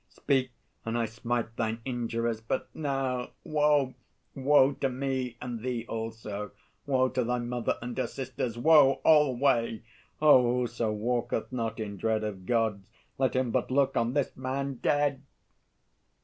Speak, and I smite thine injurers!" But now woe, woe, to me and thee also, Woe to thy mother and her sisters, woe Alway! Oh, whoso walketh not in dread Of Gods, let him but look on this man dead!